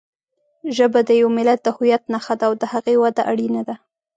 ژبه د یوه ملت د هویت نښه ده او د هغې وده اړینه ده.